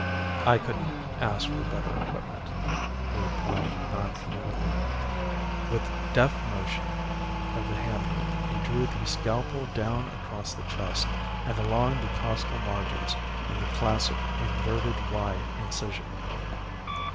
"I couldn't ask for better equipment," he replied noncommittally. With deft motion of the handler he drew the scalpel down across the chest and along the costal margins in the classic inverted "Y" incision.